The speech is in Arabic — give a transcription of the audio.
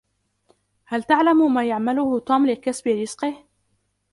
هل تعلم ما يعمله توم لكسب رزقه؟